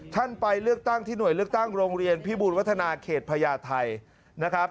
ไปเลือกตั้งที่หน่วยเลือกตั้งโรงเรียนพิบูลวัฒนาเขตพญาไทยนะครับ